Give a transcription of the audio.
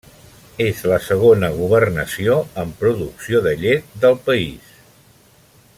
És la segona governació en producció de llet del país.